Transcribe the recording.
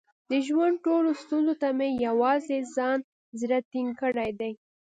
د ژوند ټولو ستونزو ته مې په یووازې ځان زړه ټینګ کړی دی.